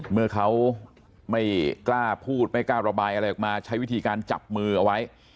เมื่อเขาไม่กล้าพูดไม่กล้าระบายอะไรออกมาใช้วิธีการจับมือเอาไว้